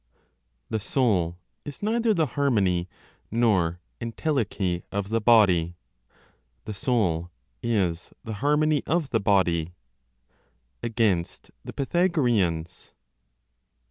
THE SOUL IS NEITHER THE HARMONY NOR ENTELECHY OF THE BODY THE SOUL IS THE HARMONY OF THE BODY; AGAINST THE PYTHAGOREANS.